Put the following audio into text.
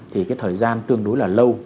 thì cái thời gian tương đối là lâu